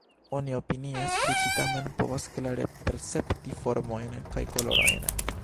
Oni opinias, ke ĝi tamen povas klare percepti formojn kaj kolorojn.